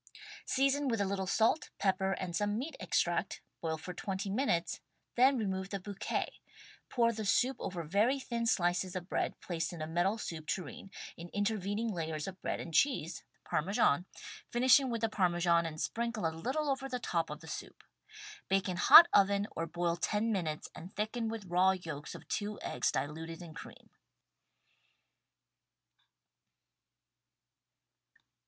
Season with a little salt, pepper and some meat extract, boil for 20 minutes — then remove the bouquet — ^pour the soup over very thin slices of bread placed in a metal soup tureen in intervening layers of bread and cheese — Parmesan — finishing with the Parmesan and sprinkle a little over the top of the soup. Bake in hot oven or boil ten minutes and thicken with raw yolks of two eggs diluted in cream.